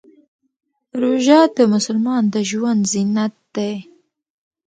روژه د مسلمان د ژوند زینت دی.